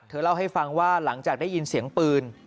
เล่าให้ฟังว่าหลังจากได้ยินเสียงปืน